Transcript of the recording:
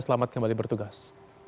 selamat kembali bertugas